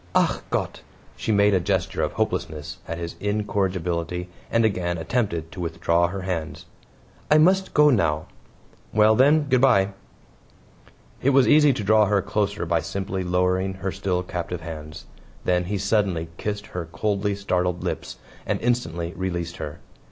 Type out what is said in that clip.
"ACH GOTT!" She made a gesture of hopelessness at his incorrigibility, and again attempted to withdraw her hands. "I must go now." "Well then, good by." It was easy to draw her closer by simply lowering her still captive hands. Then he suddenly kissed her coldly startled lips, and instantly released her.